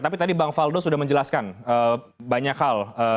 tapi tadi bang faldo sudah menjelaskan banyak hal